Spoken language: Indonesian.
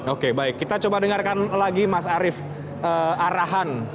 oke baik kita coba dengarkan lagi mas arief arahan